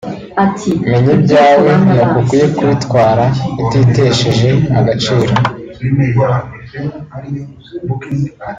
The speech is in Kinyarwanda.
menya ibyawe n’uko ukwiye kubitwara utitesheje agaciro